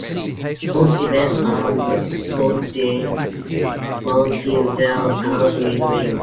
Both Evans and Bodine mounted their cars with wings.